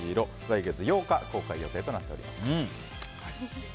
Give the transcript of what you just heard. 来月８日公開予定となっています。